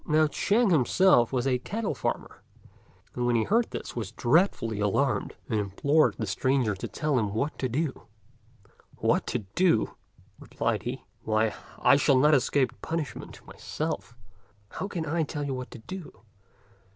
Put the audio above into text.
Now Ch'ên himself was a cattle farmer, and when he heard this was dreadfully alarmed, and implored the stranger to tell him what to do. "What to do!" replied he; "why, I shall not escape punishment myself; how can I tell you what to do.